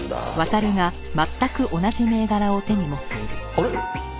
あれ？